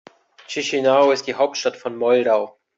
Chișinău ist die Hauptstadt von Moldau.